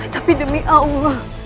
tapi demi allah